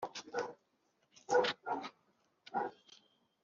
igeza aho ivuga yuko yariye intama z'abandi